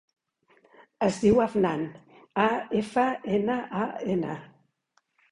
Es diu Afnan: a, efa, ena, a, ena.